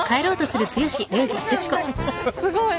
すごい。